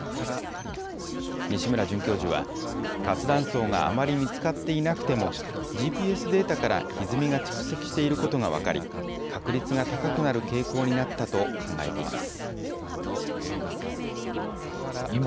西村准教授は、活断層があまり見つかっていなくても、ＧＰＳデータからひずみが蓄積していることが分かり、確率が高くなる傾向になったと考えています。